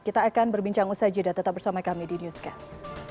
kita akan berbincang usai jeda tetap bersama kami di newscast